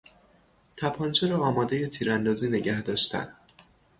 تپانچه را آمادهی تیراندازی نگهداشتن